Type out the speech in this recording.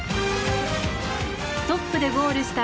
トップでゴールした